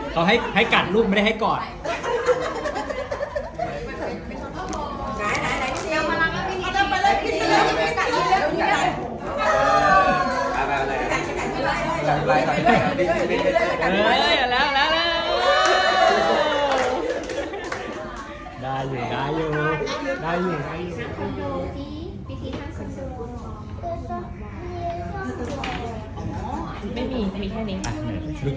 เขาให้กัดลูกไม่ได้ให้กอด